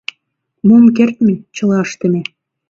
— Мом кертме, чыла ыштыме.